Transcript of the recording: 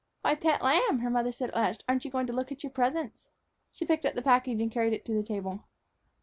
"Why, pet lamb," her mother said at last, "aren't you going to look at your presents?" She picked up the package and carried it to the table.